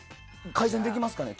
改善できますかね？